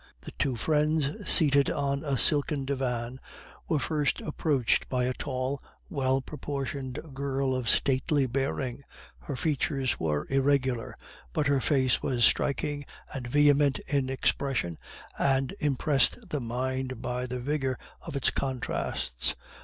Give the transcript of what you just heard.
The two friends, seated on a silken divan, were first approached by a tall, well proportioned girl of stately bearing; her features were irregular, but her face was striking and vehement in expression, and impressed the mind by the vigor of its contrasts.